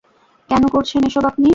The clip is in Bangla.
কেনো করছেন এসব আপনি?